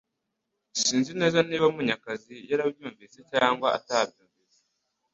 Sinzi neza niba Munyakazi yarabyumvise cyangwa atabyumvise